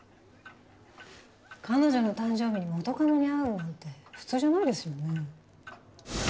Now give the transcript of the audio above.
彼女の誕生日に元カノに会うなんて普通じゃないですよね。